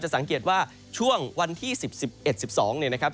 จะสังเกตว่าช่วงวันที่๑๑๑๒นะครับ